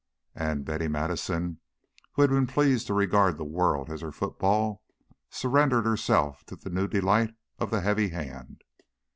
And Betty Madison, who had been pleased to regard the world as her football, surrendered herself to the new delight of the heavy hand.